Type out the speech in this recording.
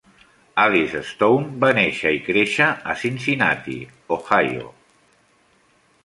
Alice Stone va néixer i créixer a Cincinnati (Ohio).